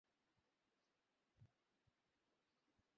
ঈশ্বর আমার পাশে নেই।